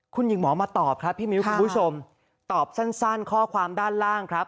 คุณหญิงหมอมาตอบครับพี่มิ้วคุณผู้ชมตอบสั้นข้อความด้านล่างครับ